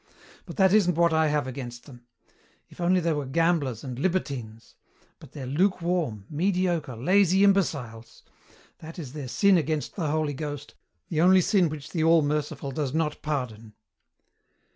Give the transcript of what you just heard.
But that isn't what I have against them. If only they were gamblers and libertines! But they're lukewarm, mediocre, lazy, imbeciles. That is their sin against the Holy Ghost, the only sin which the All Merciful does not pardon."